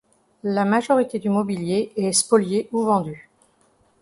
La majorité du mobilier est spoliée ou vendue.